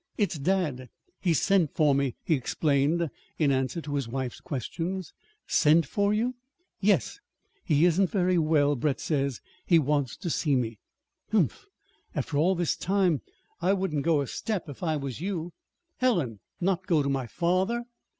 "It's dad. He's sent for me," he explained, in answer to his wife's questions. "Sent for you!" "Yes. He isn't very well, Brett says. He wants to see me." "Humph! After all this time! I wouldn't go a step if I was you." "Helen! Not go to my father?"